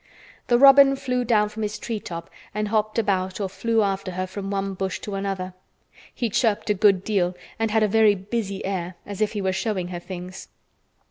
The robin flew down from his tree top and hopped about or flew after her from one bush to another. He chirped a good deal and had a very busy air, as if he were showing her things.